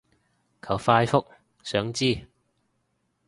求快覆，想知